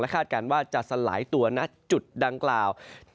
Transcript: คาดการณ์ว่าจะสลายตัวณจุดดังกล่าว